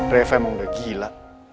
reva emang udah gila